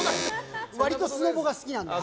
割とスノボが好きなので。